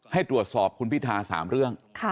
ให้ตรวจสอบคุณพิธา๓เรื่อง